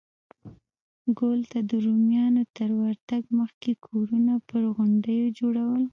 ګول ته د رومیانو تر ورتګ مخکې کورونه پر غونډیو جوړول